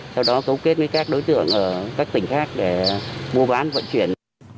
sau đó cấu kết với các đối tượng ở các tỉnh khác để mua bán vận chuyển